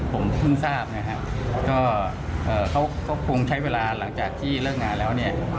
ผมเพิ่งทราบก็คงใช้เวลาหลังจากที่เลิกงานแล้ว